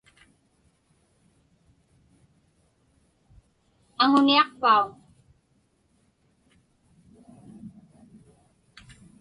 Aŋuniaqpauŋ?